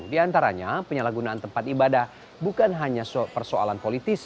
di antaranya penyalahgunaan tempat ibadah bukan hanya persoalan politis